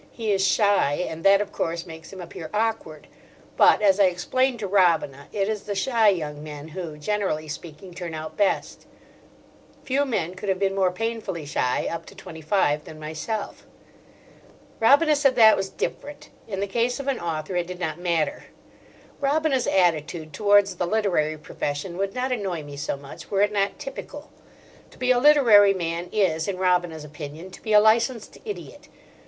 He is shy, and that, of course, makes him appear awkward. But, as I explained to Robina, it is the shy young men who, generally speaking, turn out best: few men could have been more painfully shy up to twenty five than myself. Robina said that was different: in the case of an author it did not matter. Robina's attitude towards the literary profession would not annoy me so much were it not typical. To be a literary man is, in Robina's opinion, to be a licensed idiot.